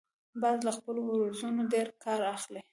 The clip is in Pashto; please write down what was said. باز له خپلو وزرونو ډیر کار اخلي